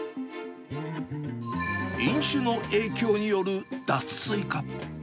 飲酒の影響による脱水か。